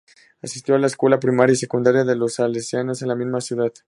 Asistió a la escuela primaria y secundaria de los Salesianos en la misma ciudad.